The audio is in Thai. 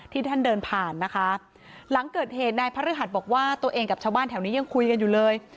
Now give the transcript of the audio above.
ท่านเดินผ่านนะคะหลังเกิดเหตุนายพระฤหัสบอกว่าตัวเองกับชาวบ้านแถวนี้ยังคุยกันอยู่เลย